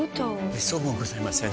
めっそうもございません。